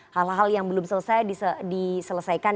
hal hal yang belum selesai diselesaikan